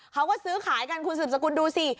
เขาก็ซื้อขายกันคุณสืบสกุลดูสิ